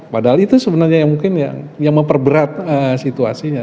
padahal itu sebenarnya yang mungkin yang memperberat situasinya